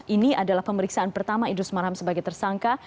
ini adalah pemeriksaan pertama idrus marham sebagai tersangka